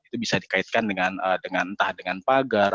itu bisa dikaitkan dengan entah dengan pagar